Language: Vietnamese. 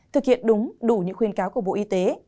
thực hiện đúng đủ những khuyên cáo của bộ y tế